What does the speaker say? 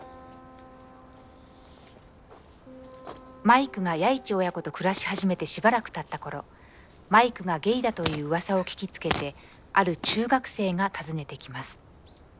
マイクが弥一親子と暮らし始めてしばらくたった頃マイクがゲイだといううわさを聞きつけてある中学生が訪ねてきます。